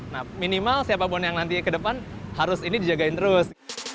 nah minimal siapapun yang nanti ke depan harus ini dijagain terus